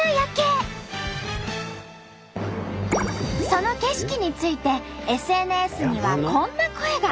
その景色についてＳＮＳにはこんな声が。